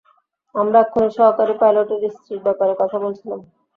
আমরা এক্ষুনি সহকারী পাইলটের স্ত্রীর ব্যাপারে কথা বলছিলাম।